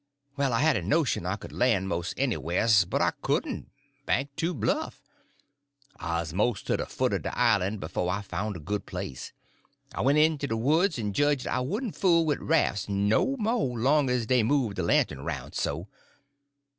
Well, I had a notion I could lan' mos' anywhers, but I couldn't—bank too bluff. I 'uz mos' to de foot er de islan' b'fo' I found' a good place. I went into de woods en jedged I wouldn' fool wid raffs no mo', long as dey move de lantern roun' so.